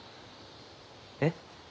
えっ？